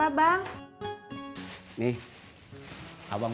emang belum rejeki kita punya anak